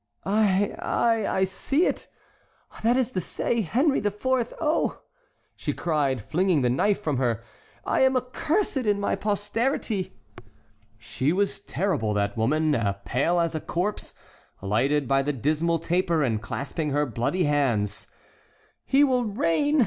"Ay, ay! I see it! that is to say, Henry IV. Oh," she cried, flinging the knife from her, "I am accursed in my posterity!" She was terrible, that woman, pale as a corpse, lighted by the dismal taper, and clasping her bloody hands. "He will reign!"